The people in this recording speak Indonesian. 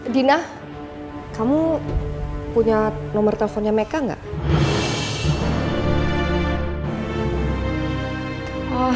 dina kamu punya nomor teleponnya meka gak